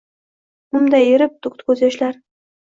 Mumday erib, toʼkdi koʼz yoshlar.